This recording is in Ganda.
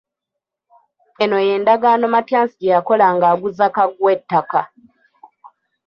Eno ye ndagaano Matyansi gye yakola ng'aguza Kaggwa ettaka.